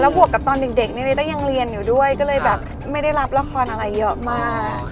บวกกับตอนเด็กนี่ก็ยังเรียนอยู่ด้วยก็เลยแบบไม่ได้รับละครอะไรเยอะมาก